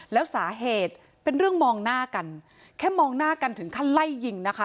แล้วสาเหตุเป็นเรื่องมองหน้ากันแค่มองหน้ากันถึงขั้นไล่ยิงนะคะ